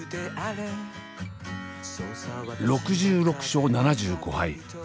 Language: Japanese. ６６勝７５敗。